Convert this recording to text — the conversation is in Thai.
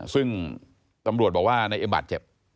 ซึ่งตำรวจบอกว่านายเอ็มบาดเจ็บ